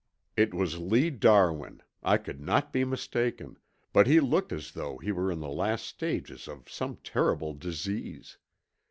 It was Lee Darwin, I could not be mistaken, but he looked as though he were in the last stages of some terrible disease.